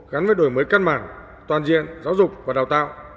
gắn với đổi mới căn bản toàn diện giáo dục và đào tạo